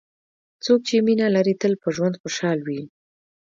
څوک چې مینه لري، تل په ژوند خوشحال وي.